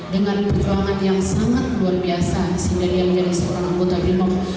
dengan perjuangan yang sangat luar biasa sehingga dia menjadi seorang anggota brimob